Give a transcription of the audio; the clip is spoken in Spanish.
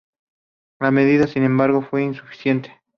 La medida, sin embargo, fue insuficiente.